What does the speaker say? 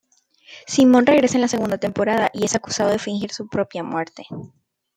Simon regresa en la segunda temporada y es acusado de fingir su propia muerte.